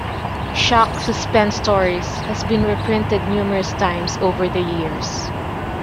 "Shock SuspenStories" has been reprinted numerous times over the years.